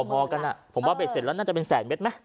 พอกันผมว่าเบ็ดเสร็จแล้วน่าจะเป็นแสนเมตรไหม